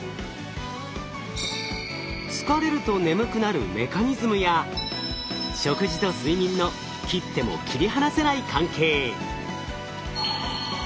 疲れると眠くなるメカニズムや食事と睡眠の切っても切り離せない関係。